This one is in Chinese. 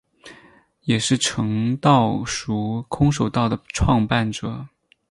也是诚道塾空手道的创办者。